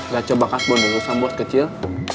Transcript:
gak coba kasbon dulu sambut kecil